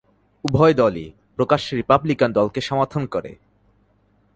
উভয় দলই প্রকাশ্যে রিপাবলিকান দলকে সমর্থন করে।